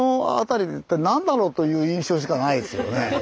という印象しかないですよね